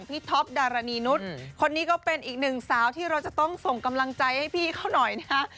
ท็อปดารณีนุษย์คนนี้ก็เป็นอีกหนึ่งสาวที่เราจะต้องส่งกำลังใจให้พี่เขาหน่อยนะฮะ